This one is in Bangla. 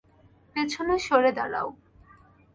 পেছনে সড়ে দাঁড়াও।